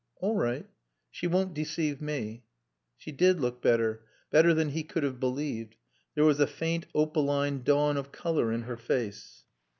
"All right. She won't deceive me." She did look better, better than he could have believed. There was a faint opaline dawn of color in her face.